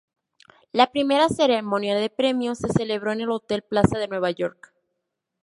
La primera ceremonia de premios se celebró en el Hotel Plaza de Nueva York.